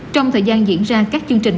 trong thời gian diễn ra các chương trình